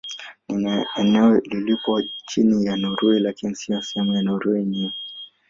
Ni eneo lililopo chini ya Norwei lakini si sehemu ya Norwei yenyewe.